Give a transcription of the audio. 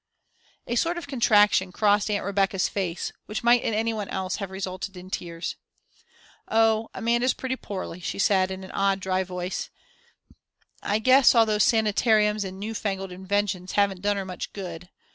A sort of contraction crossed Aunt Rebecca's face, which might in any one else, have resulted in tears. "Oh, Amanda's pretty poorly," she said, in an odd, dry voice. "I guess all those sanitariums and new fangled inventions, haven't done her much good.